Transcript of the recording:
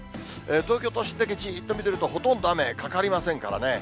東京都心だけじっと見てると、ほとんど雨かかりませんからね。